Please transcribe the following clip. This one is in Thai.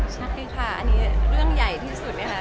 ใช่ค่ะอันนี้เรื่องใหญ่ที่สุดไหมคะ